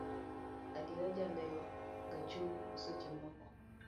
Adiera jalewo ga chuny seche moko.